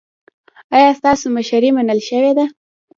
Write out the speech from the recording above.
ایا ستاسو مشري منل شوې ده؟